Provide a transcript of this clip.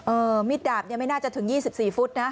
มิดดาบเนี่ยไม่น่าจะถึง๒๔ฟุตนะ